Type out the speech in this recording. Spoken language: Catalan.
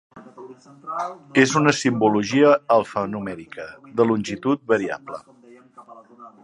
És una simbologia alfanumèrica, de longitud variable.